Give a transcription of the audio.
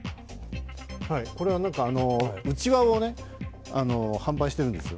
これはうちわを販売してるんですよ。